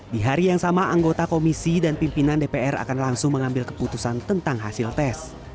di hari yang sama anggota komisi dan pimpinan dpr akan langsung mengambil keputusan tentang hasil tes